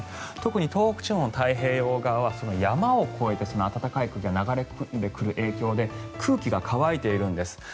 特に東北地方の太平洋側は山を越えてその暖かい空気が流れ込んでくる影響で空気が乾いているんです。